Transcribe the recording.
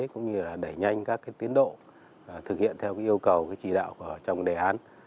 cũng như là đẩy nhanh các tiến độ thực hiện theo yêu cầu chỉ đạo trong đề án